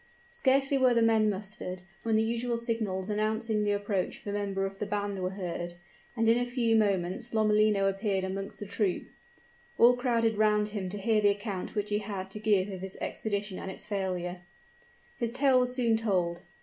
Scarcely were the men mustered, when the usual signals announcing the approach of a member of the band were heard, and in a few moments Lomellino appeared amongst the troop. All crowded round him to hear the account which he had to give of his expedition and its failure. His tale was soon told.